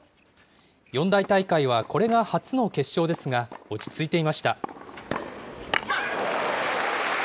四大大会はこれが初の決勝ですが、落ち着いていました。